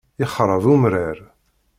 Yexṛeb umrar.